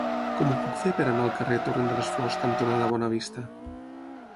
Com ho puc fer per anar al carrer Torrent de les Flors cantonada Bonavista?